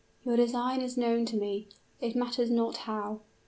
Your design is known to me; it matters not how.